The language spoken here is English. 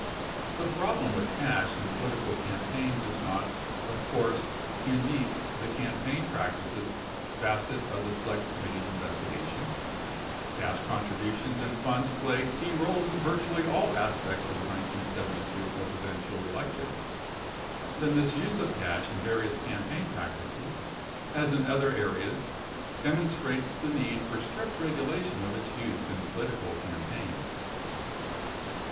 The problem with cash in political cam paigns is not, of course, unique to the campaign practices facet of the Select Committee's investigation ; cash contributions and funds played key roles in virtually all aspects of the 1972 Presidential election. The misuse of cash in various campaign practices, as in other areas, demon strates the need for strict regulation of its use in political campaigns.